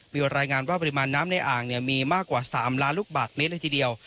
มีรายงานว่าปริมาณน้ำในอ่างมีมากกว่า๓ล้านลูกบาทเมตรเลยทีเดียว